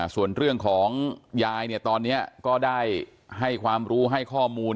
ส่วนเรื่องของยายเนี่ยตอนนี้ก็ได้ให้ความรู้ให้ข้อมูล